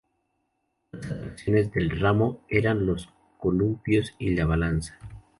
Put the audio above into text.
Otras atracciones del ramo eran los columpios y la balanza.